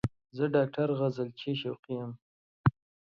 زه ډاکټر غزلچی شوقی یم